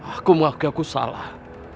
aku mengaku aku salah